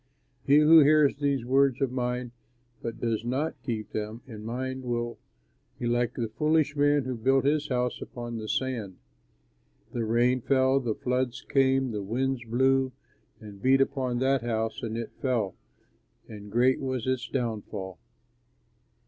"He who hears these words of mine but does not keep them in mind will be like a foolish man who built his house upon sand. The rain fell, the floods came, the winds blew and beat upon that house, and it fell, and great was its downfall."